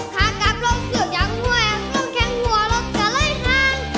ข้างกับเราเกือบอย่างแหวนกล้องแข็งหัวลดกันไล่ห้าง